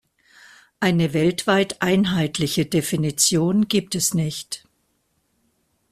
Eine weltweit einheitliche Definition gibt es nicht.